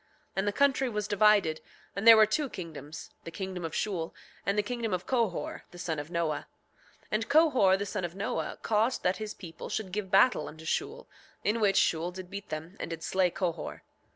7:20 And the country was divided; and there were two kingdoms, the kingdom of Shule, and the kingdom of Cohor, the son of Noah. 7:21 And Cohor, the son of Noah, caused that his people should give battle unto Shule, in which Shule did beat them and did slay Cohor.